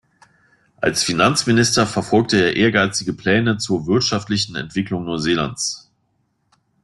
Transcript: Als Finanzminister verfolgte er ehrgeizige Pläne zur wirtschaftlichen Entwicklung Neuseelands.